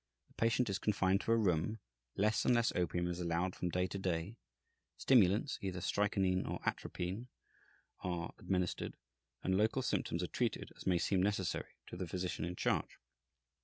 The patient is confined to a room, less and less opium is allowed from day to day, stimulants (either strychnine or atropine) are administered, and local symptoms are treated as may seem necessary to the physician in charge.